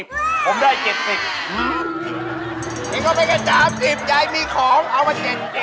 เองก็ไม่แค่๓๐ยายมีของเอาว่า๗๐